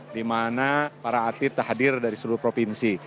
di mana para atlet terhadir dari seluruh provinsi